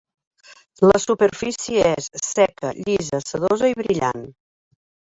La superfície és seca, llisa, sedosa i brillant.